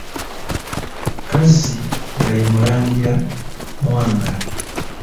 Kazzi nga ye Mulangira Mwanga.